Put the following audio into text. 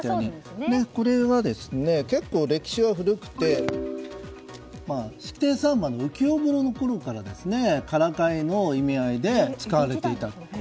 これは、結構歴史が古くて式亭三馬の「浮世風呂」のころからからかいの意味合いで使われていたと。